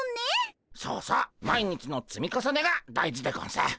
そうそう毎日の積み重ねが大事でゴンス。